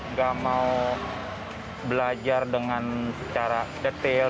nggak mau belajar dengan secara detail